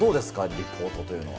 リポートというのは。